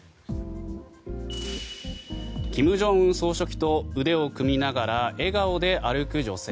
金正恩総書記を腕を組みながら笑顔で歩く女性。